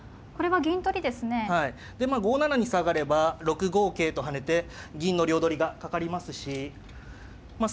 はいでまあ５七に下がれば６五桂と跳ねて銀の両取りがかかりますしまあ